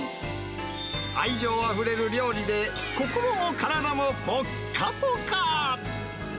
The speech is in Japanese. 愛情あふれる料理で、心も体もぽっかぽか。